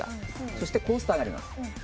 そしてコースターがあります。